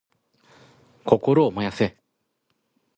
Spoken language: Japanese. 心を燃やせ！